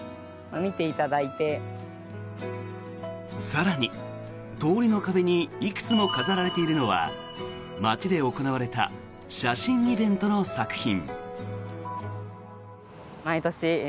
更に通りの壁にいくつも飾られているのは町で行われた写真イベントの作品。